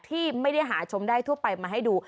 ที่ไม่ได้หาชมได้ทั่วไปมาให้ดู